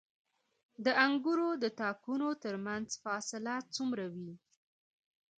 د انګورو د تاکونو ترمنځ فاصله څومره وي؟